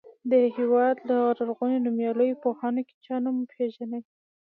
د هېواد له لرغونو نومیالیو پوهانو کې چا نوم پیژنئ.